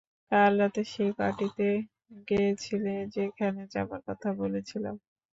কাল রাতে সেই পার্টিতে গেছিলে যেখানে যাবার কথা বলেছিলাম?